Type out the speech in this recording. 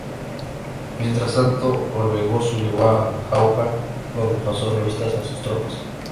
Mientras tanto, Orbegoso llegó a Jauja donde pasó revista a sus tropas.